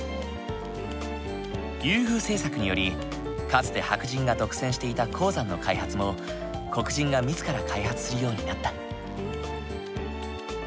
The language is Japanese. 優遇政策によりかつて白人が独占していた鉱山の開発も黒人が自ら開発するようになった。